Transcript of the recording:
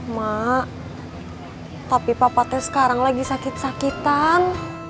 mak tapi papa sekarang lagi sakit sakitan